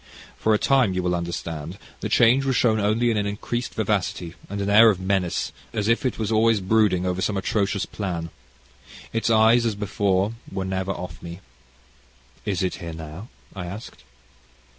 "For a time, you will understand, the change was shown only in an increased vivacity, and an air of menace, as if it were always brooding over some atrocious plan. Its eyes, as before, were never off me." "Is it here now?" I asked.